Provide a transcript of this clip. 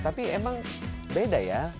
tapi memang beda ya